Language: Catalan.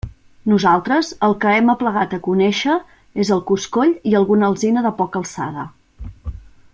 Nosaltres el que hem aplegat a conéixer és el coscoll i alguna alzina de poca alçada.